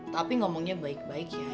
tapi ngomongnya baik baik ya